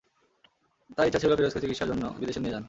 তাঁর ইচ্ছা ছিল ফিরোজকে চিকিৎসার জন্যে বিদেশে নিয়ে যান।